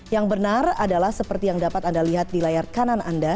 yang benar adalah seperti yang dapat anda lihat di layar kanan anda